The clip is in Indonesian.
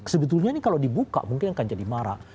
sebetulnya ini kalau dibuka mungkin akan jadi marah